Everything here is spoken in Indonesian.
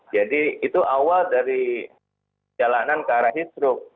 jadi itu awal dari jalanan ke arah heat stroke